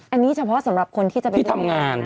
อันนี้เฉพาะสำหรับคนที่จะไปทำงาน